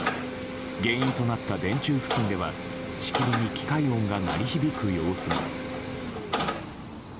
原因となった電柱付近ではしきりに機械音が鳴り響く様子も。